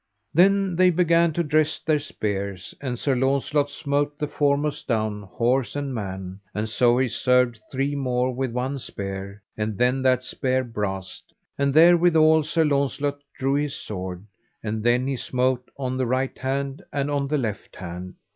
Then they began to dress their spears, and Sir Launcelot smote the foremost down, horse and man, and so he served three more with one spear; and then that spear brast, and therewithal Sir Launcelot drew his sword, and then he smote on the right hand and on the left hand.